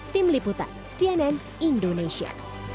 tim liputan cnn indonesia